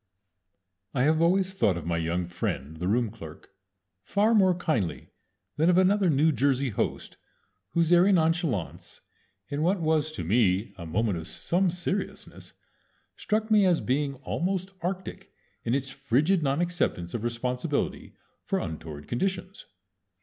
I have always thought of my young friend the room clerk far more kindly than of another New Jersey host whose airy nonchalance in what was to me a moment of some seriousness struck me as being almost arctic in its frigid non acceptance of responsibility for untoward conditions.